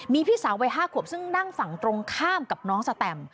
มีพี่สาววัย๕ขวบซึ่งนั่งฝั่งตรงข้ามกับน้องสแตม